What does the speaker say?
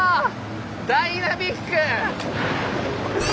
ダイナミック！